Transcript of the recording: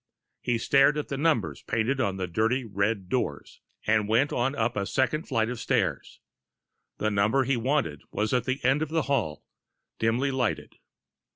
He stared at the numbers painted on the dirty red doors, and went on up a second flight of stairs. The number he wanted was at the end of the hall, dimly lighted.